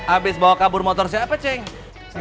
abis bawa kabur motor siapa ceng